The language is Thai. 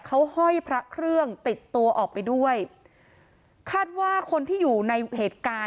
เขาห้อยพระเครื่องติดตัวออกไปด้วยคาดว่าคนที่อยู่ในเหตุการณ์